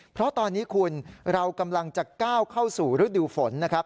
เพราะตอนนี้คุณเรากำลังจะก้าวเข้าสู่ฤดูฝนนะครับ